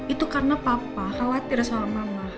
itu karena papa khawatir sama mama